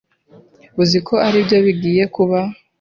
Uzi ko aribyo bigiye kuba.